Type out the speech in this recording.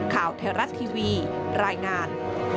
ข่าวเทราะท์ทีวีรายงาน